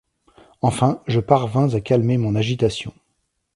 Enfin je parvins à calmer mon agitation.